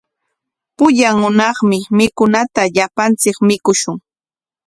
Pullan hunaqmi mikunata llapanchik mikushun.